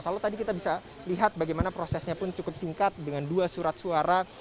kalau tadi kita bisa lihat bagaimana prosesnya pun cukup singkat dengan dua surat suara